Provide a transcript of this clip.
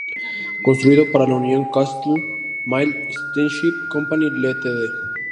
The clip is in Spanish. Construido para la Union-Castle Mail Steamship Company Ltd.